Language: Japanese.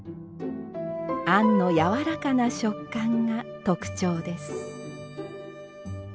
餡のやわらかな食感が特徴です。